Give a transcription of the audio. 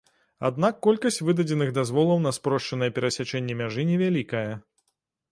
Аднак колькасць выдадзеных дазволаў на спрошчанае перасячэнне мяжы невялікая.